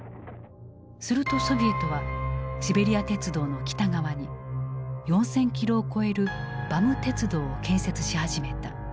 するとソビエトはシベリア鉄道の北側に４，０００キロを超えるバム鉄道を建設し始めた。